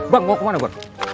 bang mau kemana gua